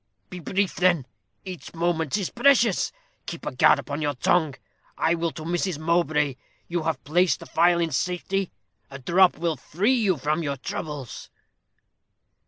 "Be brief, then each moment is precious. Keep a guard upon your tongue. I will to Mrs. Mowbray. You have placed the phial in safety. A drop will free you from your troubles."